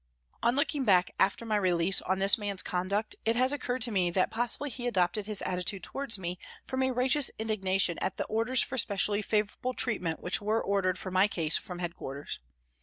On looking back after my release on this man's conduct, it has occurred to me that possibly he adopted his attitude towards me from a righteous indignation at the orders for specially favourable treatment which were ordered for my case from headquarters.